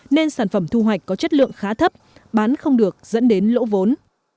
nên sản phẩm thu hoạch có chất lượng khá thấp bán không được dẫn đến lỗ vốn